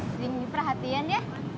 sering diperhatian ya